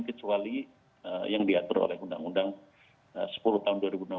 kecuali yang diatur oleh undang undang sepuluh tahun dua ribu enam belas